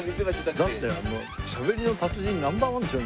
だってしゃべりの達人ナンバーワンでしょ？